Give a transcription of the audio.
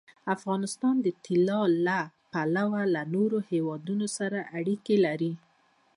افغانستان د طلا له پلوه له نورو هېوادونو سره اړیکې لري.